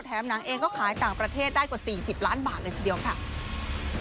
หนังเองก็ขายต่างประเทศได้กว่า๔๐ล้านบาทเลยทีเดียวค่ะ